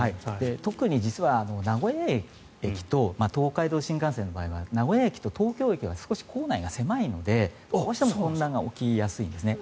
特に実は東海道新幹線の場合は名古屋駅と東京駅は少し構内が狭いのでどうしても混乱が起きやすい。